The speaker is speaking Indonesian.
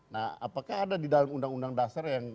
nah apakah ada di dalam undang undang dasar yang